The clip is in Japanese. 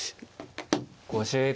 ５０秒。